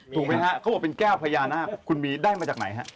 ถูกไหมฮะเขาบอกเป็นแก้วพญานาคคุณมีได้มาจากไหนฮะ